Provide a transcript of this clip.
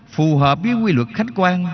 phù hợp với quy luật khách quan